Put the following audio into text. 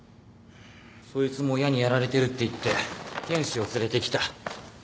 そいつも親にやられてるって言って天使を連れてきた。